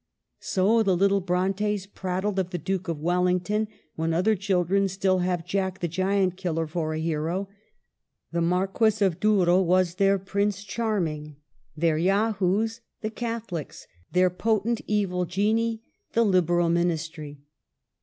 So the little Brontes prattled of the Duke of Wellington when other children still have Jack the Giant killer for a hero ; the Marquis of Douro was their Prince Charming; CHILDHOOD. 57 their Yahoos, the Catholics ; their potent evil genii, the Liberal Ministry.